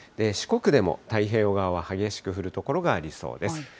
四国でも太平洋側は激しく降る所がありそうです。